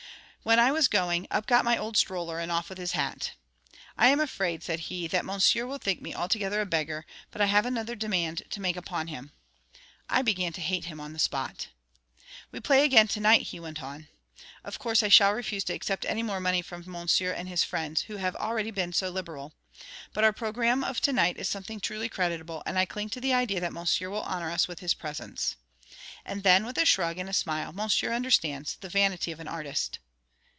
When I was going, up got my old stroller, and off with his hat. 'I am afraid,' said he, 'that Monsieur will think me altogether a beggar; but I have another demand to make upon him.' I began to hate him on the spot. 'We play again to night,' he went on. 'Of course, I shall refuse to accept any more money from Monsieur and his friends, who have been already so liberal. But our programme of to night is something truly creditable; and I cling to the idea that Monsieur will honour us with his presence.' And then, with a shrug and a smile: 'Monsieur understands—the vanity of an artist!